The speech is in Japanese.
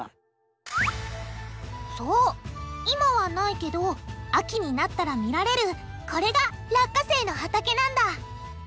そう今はないけど秋になったら見られるこれが落花生の畑なんだ。